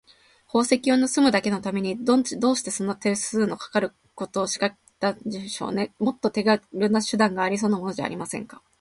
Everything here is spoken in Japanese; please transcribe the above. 宝石をぬすむだけのために、どうしてそんな手数のかかるしかけをしたんでしょうね。もっと手がるな手段がありそうなものじゃありませんか。